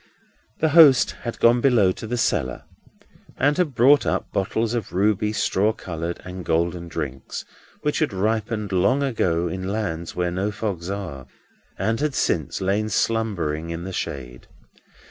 The host had gone below to the cellar, and had brought up bottles of ruby, straw coloured, and golden drinks, which had ripened long ago in lands where no fogs are, and had since lain slumbering in the shade.